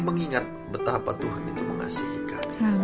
mengingat betapa tuhan itu mengasihikan